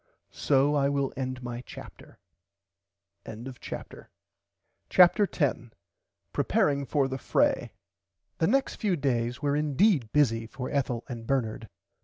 So I will end my chapter. [Pg 95] CHAPTER 10 PREPARING FOR THE FRAY The next few days were indeed bussy for Ethel and Bernard.